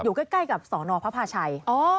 อยู่ใกล้กับสนพระพาชัย